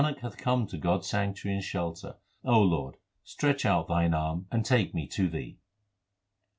Nanak hath come to God s sanctuary and shelter ; O Lord, stretch out Thine arm, and take me to Thee.